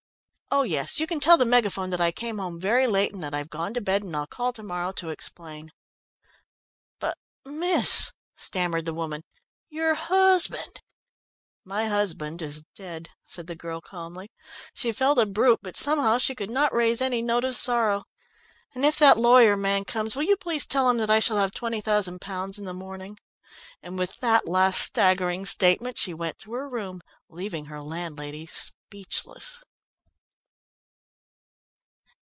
Oh, yes, you can tell the Megaphone that I came home very late and that I've gone to bed, and I'll call to morrow to explain." "But, miss," stammered the woman, "your husband " "My husband is dead," said the girl calmly. She felt a brute, but somehow she could not raise any note of sorrow. "And if that lawyer man comes, will you please tell him that I shall have twenty thousand pounds in the morning," and with that last staggering statement, she went to her room, leaving her landlady speechless.